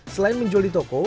selain menjual di toko